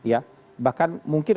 ya bahkan mungkin